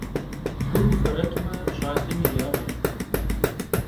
Gur vufereç'me, ş'alem yi yağeş.